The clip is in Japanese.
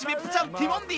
ティモンディ